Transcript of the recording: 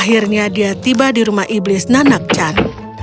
akhirnya dia tiba di rumah iblis nanakchan